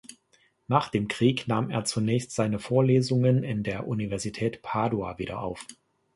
Nach dem Krieg nahm er zunächst seine Vorlesungen an der Universität Padua wieder auf.